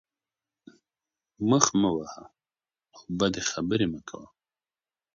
مخ مه وهه او بدې خبرې مه کوه.